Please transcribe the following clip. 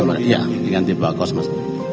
iya di ganti pak kosmas